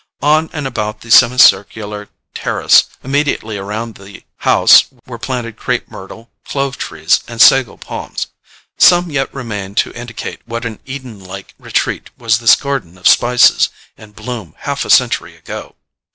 On and about the semicircular terrace immediately around the house were planted crape myrtle, clove trees and sago palms: some yet remain to indicate what an Eden like retreat was this garden of spices and bloom half a century ago.